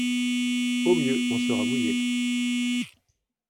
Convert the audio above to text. Au mieux on sera mouillés.